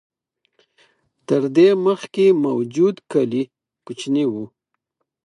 تر دې مخکې موجود کلي کوچني و.